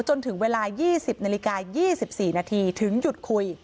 จนถึงเวลา๒๐น๒๔นถึงหยุดคุย